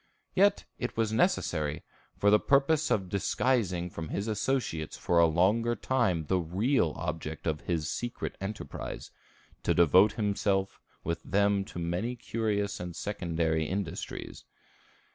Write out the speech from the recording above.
Yet it was necessary, for the purpose of disguising from his associates for a longer time the real object of his secret enterprise, to devote himself with them to many curious and secondary industries.